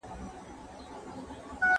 ¬ پردى کټ تر نيمو شپو دئ.